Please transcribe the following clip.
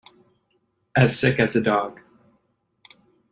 As sick as a dog.